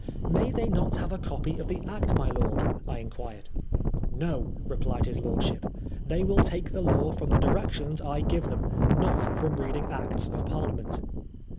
May they not have a copy of the Act, my lord ?" I in quired. "No," replied his lordship, "they will take ^e law from the directions I give them ; not from reading Acts of Parliament."